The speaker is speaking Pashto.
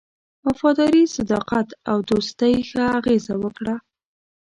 وفاداري، صداقت او دوستی ښه اغېزه وکړه.